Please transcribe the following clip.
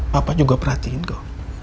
papa juga perhatiin kok